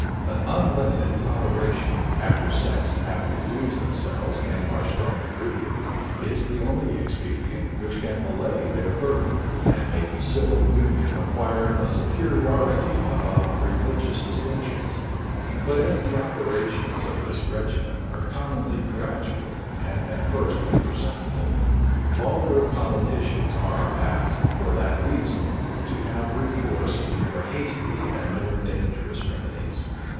An unlimited toleration, after sects have diffused themselves and are strongly rooted, is the only expedient which can allay their fervor, and make the civil union acquire a superiority above religious distinctions. But as the operations of this regimen are commonly gradual, and at first imperceptible, vulgar politicians are apt, for that reason, to have recourse to more hasty and more dangerous remedies.